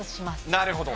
なるほど。